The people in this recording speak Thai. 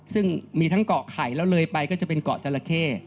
ซึ่งมีทั้งเกาะไข่แล้วเลยไปก็จะเป็นเกาะจราเข้